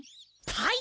はい。